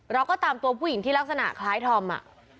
เราก็ตามตัวผู้หญิงที่ลักษณะคล้ายธอม